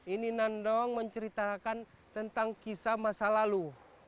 ini nandong menceritakan tentang kisah masa lalu